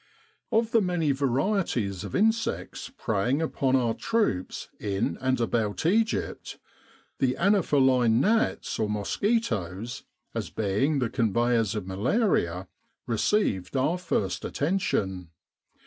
Of the many varieties of insects preying upon our troops in and about Egypt the anopheline gnats or mosquitoes, as being the conveyers of malaria, received our first attention.